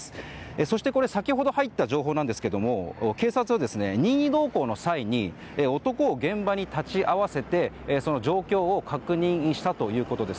そして、これは先ほど入った情報なんですけれども警察は、任意同行の際に男を現場に立ち会わせてその状況を確認したということです。